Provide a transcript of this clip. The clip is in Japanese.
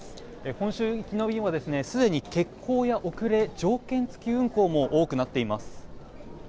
本州行きの便はすでに欠航や遅れ条件付き運航も多くなっています。